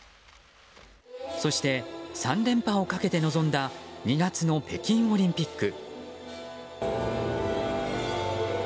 そして３連覇をかけて臨んだ２月の北京オリンピック。